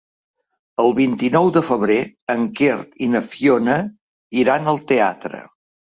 El vint-i-nou de febrer en Quer i na Fiona iran al teatre.